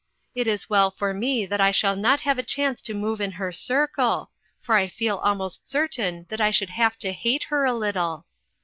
It is well for me that I shall not have a chance to move in her circle, for I feel almost certain that I should have to hate her a little.